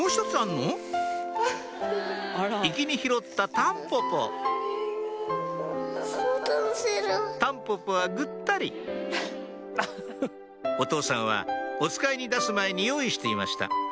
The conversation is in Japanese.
タンポポはぐったりお父さんはおつかいに出す前に用意していました